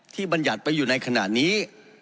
บรรยัติไปอยู่ในขณะนี้